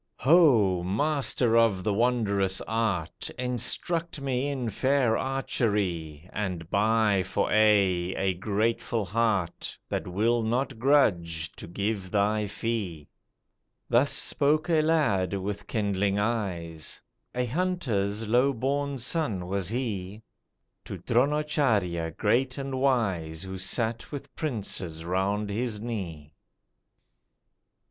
"Ho! Master of the wondrous art! Instruct me in fair archery, And buy for aye, a grateful heart That will not grudge to give thy fee." Thus spoke a lad with kindling eyes, A hunter's low born son was he, To Dronacharjya, great and wise, Who sat with princes round his knee.